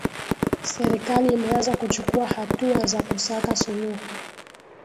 serikali imeanza kuchukua hatua za kusaka suluhu